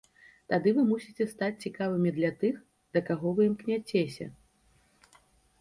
Тады вы мусіце стаць цікавымі для тых, да каго вы імкняцеся.